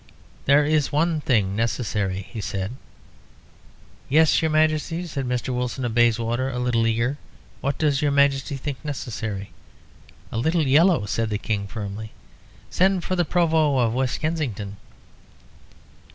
"There is one thing necessary," he said. "Yes, your Majesty," said Mr. Wilson of Bayswater, a little eagerly. "What does yer Majesty think necessary?" "A little yellow," said the King, firmly. "Send for the Provost of West Kensington."